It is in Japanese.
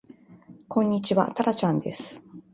こんにちはたらちゃんです